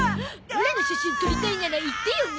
オラの写真撮りたいなら言ってよね。